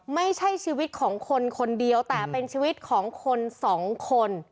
ไม่ใช่ชีวิตของคนคนเดียวแต่เป็นชีวิตของคนสองคน